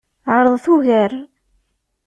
Ɛeṛḍet ugar.